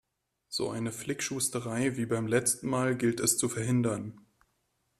So eine Flickschusterei wie beim letzten Mal gilt es zu verhindern.